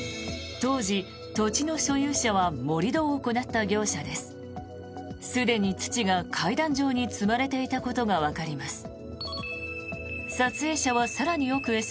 当時、土地の所有者は盛り土を行った業者です。